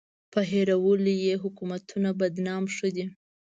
په هېرولو یې حکومتونه بدنام ښه دي.